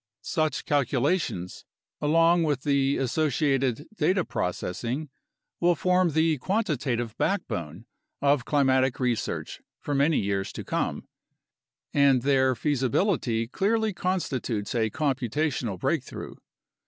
Such calcula tions, along with the associated data processing, will form the quantita tive backbone of climatic research for many years to come, and their feasibility clearly constitutes a computational breakthrough.